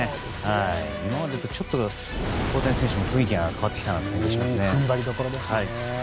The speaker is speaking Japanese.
今までとちょっと大谷選手も雰囲気が変わってきた感じがします。